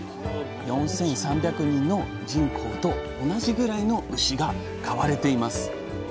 ４，３００人の人口と同じぐらいの牛が飼われています。